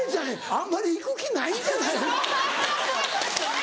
あんまり行く気ないんじゃない？